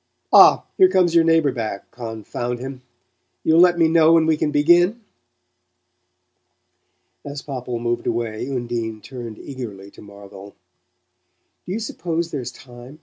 Ah, here comes your neighbour back, confound him You'll let me know when we can begin?" As Popple moved away Undine turned eagerly to Marvell. "Do you suppose there's time?